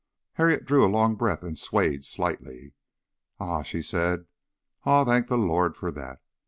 Harriet drew a long breath and swayed slightly. "Ah!" she said. "Ah! Thank the Lord for that.